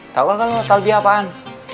tau gak lu talbiah apaan